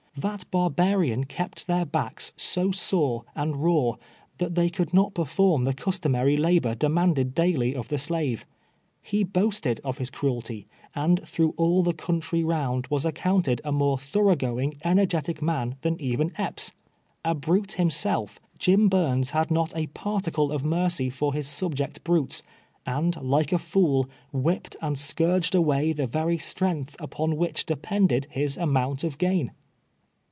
That barbarian kept their backs so sore and raw, that they could not perform the customar}^ labor demanded daily of the slave, lie boasted of his cruelty, and through all the country round was accounted a more thorough going, energetic man than even Epps. A brute himself, Jim Burns had not a particle of mercy for his subject brutes, and like a fool, whipped and scourged away the xd^vy strength upon which depend ed his amount of gain.